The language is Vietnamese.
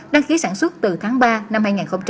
đăng ký sản xuất từ tháng ba năm hai nghìn hai mươi